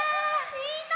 みんな！